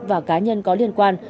và cá nhân có liên quan